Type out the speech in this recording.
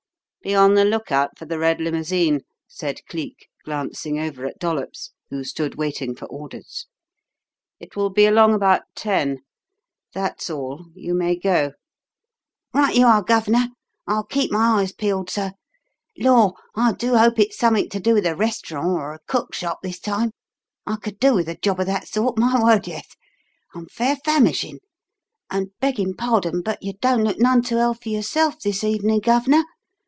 "Be on the lookout for the red limousine," said Cleek, glancing over at Dollops, who stood waiting for orders. "It will be along about ten. That's all. You may go." "Right you are, Gov'nor. I'll keep my eyes peeled, sir. Lor'! I do hope it's summink to do with a restaurant or a cookshop this time. I could do with a job of that sort my word, yes! I'm fair famishin'. And, beggin' pardon, but you don't look none too healthy yourself this evening, Gov'nor.